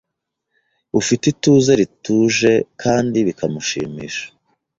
ufite ituze rituje kandi bikamushimisha